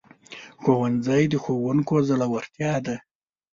ښوونځی د ښوونکو زړورتیا ده